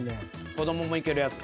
子供もいけるやつ。